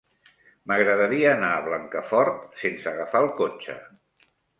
M'agradaria anar a Blancafort sense agafar el cotxe.